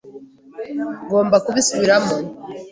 Ngomba kubisubiramo.